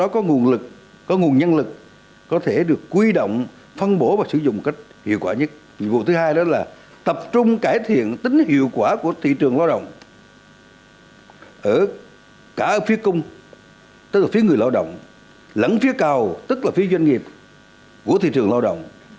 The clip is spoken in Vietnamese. ở cả phía cung tức là phía người lao động lẫn phía cao tức là phía doanh nghiệp của thị trường lao động